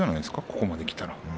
ここまできたら。